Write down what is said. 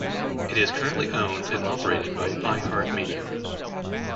It is currently owned and operated by iHeartMedia.